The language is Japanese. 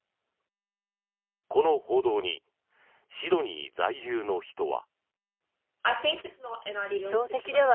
この報道にシドニー在住の人は。